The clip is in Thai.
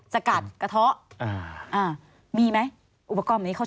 สวัสดีค่ะที่จอมฝันครับ